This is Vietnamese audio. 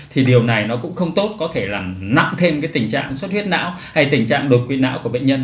thì điều này nó cũng không tốt có thể làm nặng thêm cái tình trạng suất huyết não hay tình trạng đột quyết não của bệnh nhân